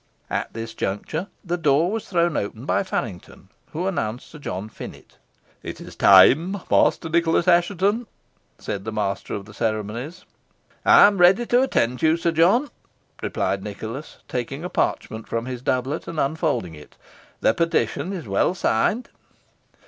At this juncture, the door was thrown open by Faryngton, who announced Sir John Finett. "It is time, Master Nicholas Assheton," said the master of the ceremonies. "I am ready to attend you, Sir John," replied Nicholas, taking a parchment from his doublet, and unfolding it, "the petition is well signed."